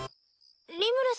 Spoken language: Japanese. リムル様？